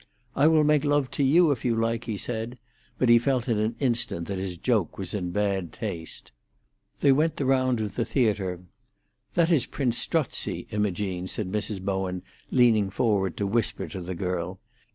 "I will make love to you, if you like," he said, but he felt in an instant that his joke was in bad taste. They went the round of the theatre. "That is Prince Strozzi, Imogene," said Mrs. Bowen, leaning forward to whisper to the girl.